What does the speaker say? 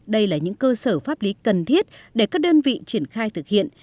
đây là những cơ sở pháp lý cần thiết để các đơn vị triển khai thực hiện